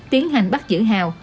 tiến hành bắt giữ hào